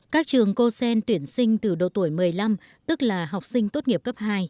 các trường cosen tuyển sinh từ độ tuổi một mươi năm tức là học sinh tốt nghiệp cấp hai